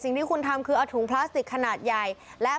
จึงคุณทำคือเอาถุงพลาสติกขนาดใหญ่